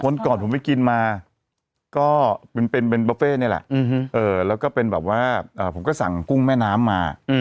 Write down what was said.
ก่อนผมไปกินมาก็เป็นบุฟเฟ่นี่แหละแล้วก็เป็นแบบว่าผมก็สั่งกุ้งแม่น้ำมา